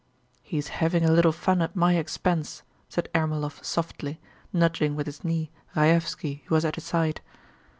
"He's having a little fun at my expense," said Ermólov softly, nudging with his knee Raévski who was at his side.